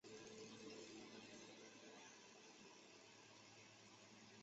明末清初山西阳曲人。